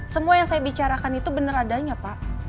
semua yang saya bicarakan itu benar adanya pak